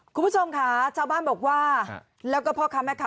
คุณผู้ชมค่ะชาวบ้านบอกว่าแล้วก็พ่อค้าแม่ค้า